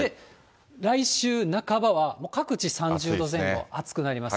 来週半ばはもう各地３０度前後、暑くなります。